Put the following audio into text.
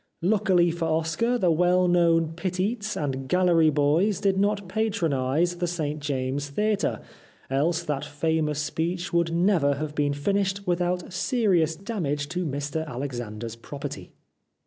Luckily for Oscar the well known pittites and gallery boys do not patronise the St James's Theatre, else that famous speech would never have been finished without serious damage to Mr Alex ander's property."